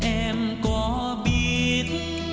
em có biết